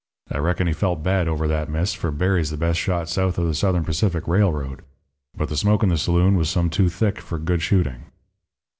I reckon he felt bad over that miss, for Berry's the best shot south of the Southern Pacific Railroad. But the smoke in the saloon was some too thick for good shooting.